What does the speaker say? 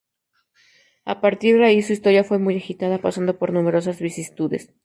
A partir de ahí su historia fue muy agitada, pasando por numerosas vicisitudes.